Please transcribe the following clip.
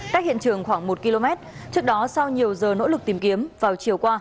cách hiện trường khoảng một km trước đó sau nhiều giờ nỗ lực tìm kiếm vào chiều qua